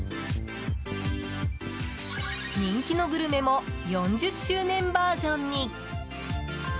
人気のグルメも４０周年バージョンに。